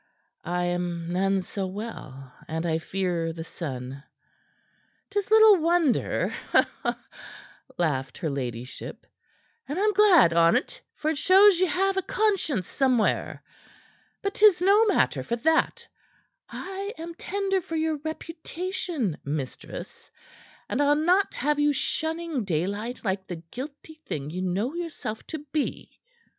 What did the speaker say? I am none so well, and I fear the sun." "'Tis little wonder," laughed her ladyship; "and I'm glad on't, for it shows ye have a conscience somewhere. But 'tis no matter for that. I am tender for your reputation, mistress, and I'll not have you shunning daylight like the guilty thing ye know yourself to be."